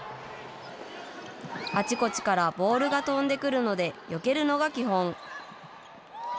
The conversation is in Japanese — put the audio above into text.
あちこちからボールが飛んでくるので、よけるのが基本。